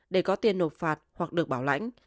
để có tiền nộp phạt hoặc được bảo lãnh